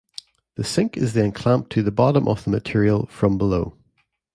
The sink is then clamped to the bottom of the material from below.